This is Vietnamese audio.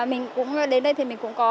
mình cũng đến đây thì mình cũng có